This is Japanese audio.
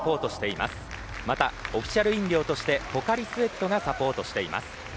また、オフィシャル飲料としてポカリスエットがサポートしています。